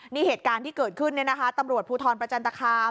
นี่เหตุการณ์ที่เกิดขึ้นเนี่ยนะคะตำรวจภูทรประจันตคาม